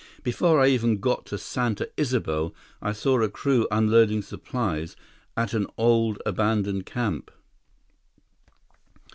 Before I even got to Santa Isabel, I saw a crew unloading supplies at an old abandoned camp."